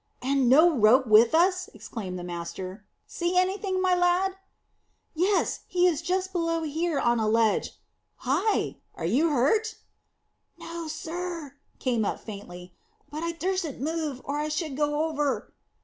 "And no rope with us!" exclaimed the master. "See anything, my lad?" "Yes; he is just below here on a ledge. Hi! Are you hurt?" "No, sir," came up faintly; "but I durstn't move, or I should go over."